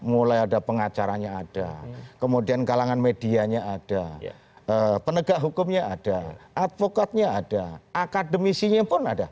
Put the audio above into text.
mulai ada pengacaranya ada kemudian kalangan medianya ada penegak hukumnya ada advokatnya ada akademisinya pun ada